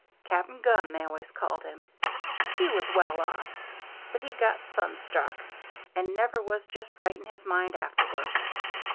Cap'n Gunn, they always called him. He was well off, but he got sun struck, and never was just right in his mind afterward.